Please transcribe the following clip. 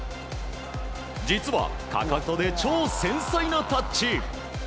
実は、かかとで超繊細なタッチ。